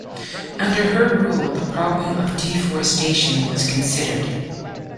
Under her rule the problem of deforestation was considered.